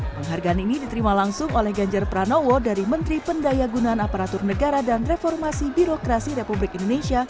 penghargaan ini diterima langsung oleh ganjar pranowo dari menteri pendaya gunaan aparatur negara dan reformasi birokrasi republik indonesia